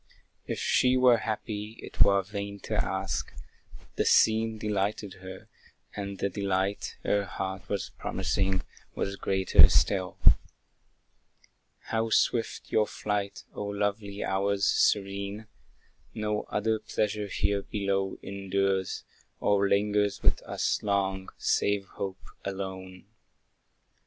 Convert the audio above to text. If she were happy, it were vain to ask; The scene delighted her, and the delight Her heart was promising, was greater still. How swift your flight, O lovely hours serene! No other pleasure here below endures, Or lingers with us long, save hope alone.